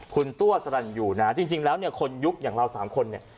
คุณตัวสรรยูนะจริงแล้วเนี่ยคนยุคอย่างเราสามคนเนี่ย